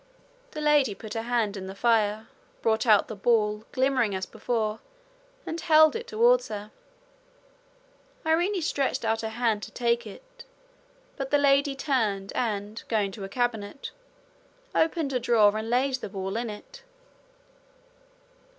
The lady put her hand in the fire, brought out the ball, glimmering as before, and held it towards her. Irene stretched out her hand to take it, but the lady turned and, going to her cabinet, opened a drawer, and laid the ball in it.